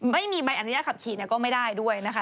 ไม่มีใบอนุญาตขับขี่ก็ไม่ได้ด้วยนะคะ